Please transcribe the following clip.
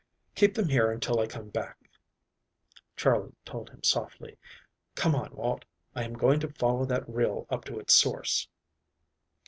"Keep them here until I come back," Charley told him softly. "Come on, Walt, I am going to follow that rill up to its source."